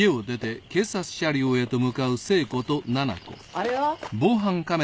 あれは？